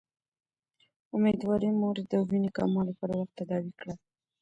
اميدوارې مورې، د وينې کموالی پر وخت تداوي کړه